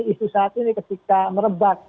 isu saat ini ketika merebak